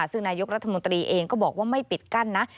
ซึ่งนายกรัฐมนตรีเองก็บอกว่าไม่ปิดกั้นนะ